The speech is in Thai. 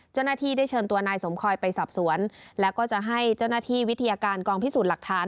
เจ้าหน้าที่ได้เชิญตัวนายสมคอยไปสอบสวนแล้วก็จะให้เจ้าหน้าที่วิทยาการกองพิสูจน์หลักฐาน